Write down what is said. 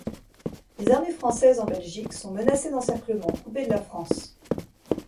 Les armées françaises en Belgique sont menacées d'encerclement, coupées de la France.